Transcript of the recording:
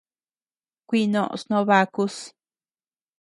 Kuinoʼos noo bakus.